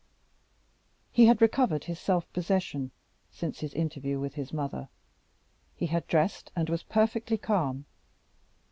He had recovered his self possession since his interview with his mother: he had dressed and was perfectly calm.